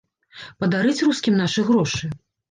Падарыць рускім нашы грошы?